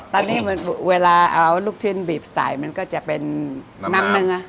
ตอนนี้เวลาเอาลูกชิ้นบีบใส่มันก็จะเป็นน้ำหนึ่ง